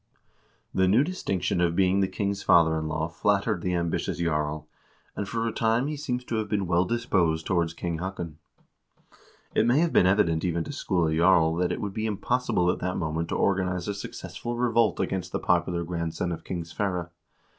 The new distinction of being the king's father in law flattered the ambitious jarl, and for a time he seems to have been well disposed towards King Haakon. It must have been evident even to Skule Jarl that it would be impos sible at that moment to organize a successful revolt against the popu lar grandson of King Sverre.